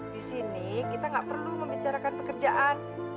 di sini kita nggak perlu membicarakan pekerjaan